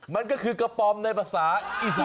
มันก็คือกระป๋อมในภาษาอีซู